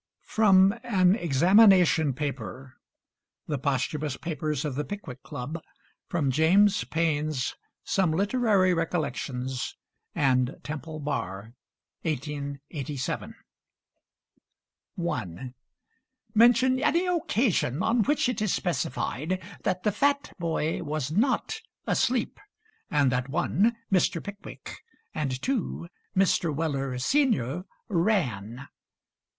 FROM 'AN EXAMINATION PAPER' 'The Posthumous Papers of the Pickwick Club' From James Payn's 'Some Literary Recollections' and 'Temple Bar,' 1887 1. Mention any occasion on which it is specified that the Fat Boy was not asleep; and that (1) Mr. Pickwick and (2) Mr. Weller, senr., ran.